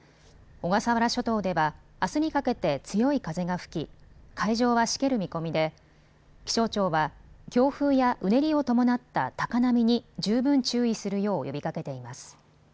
小笠原諸島では、あすにかけて強い風が吹き海上はしける見込みで気象庁は強風やうねりを伴った高波に十分注意するよう呼びかけています。